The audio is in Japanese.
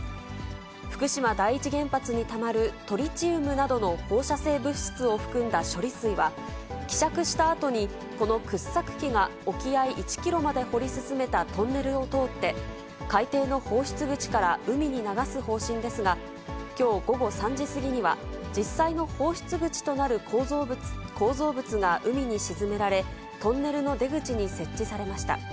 福島第一原発にたまるトリチウムなどの放射性物質を含んだ処理水は、希釈したあとにこの掘削機が沖合１キロまで掘り進めたトンネルを通って、海底の放出口から海に流す方針ですが、きょう午後３時過ぎには、実際の放出口となる構造物が海に沈められ、トンネルの出口に設置されました。